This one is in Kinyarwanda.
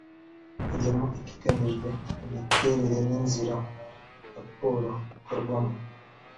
harimo ikigamijwe imiterere n’inzira raporo ikorwamo